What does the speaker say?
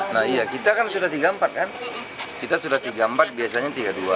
nah iya kita kan sudah tiga empat kan kita sudah tiga empat biasanya tiga puluh dua